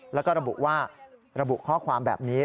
แล้วก็ระบุว่าระบุข้อความแบบนี้